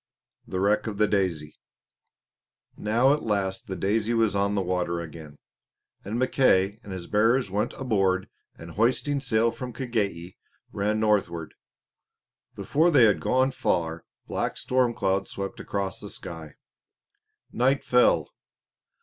The Wreck of the "Daisy" Now at last the Daisy was on the water again; and Mackay and his bearers went aboard and hoisting sail from Kagei ran northward. Before they had gone far black storm clouds swept across the sky. Night fell.